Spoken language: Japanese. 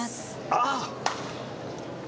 ああ！